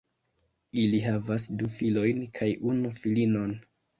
Ili havas du filojn kaj unu filinon.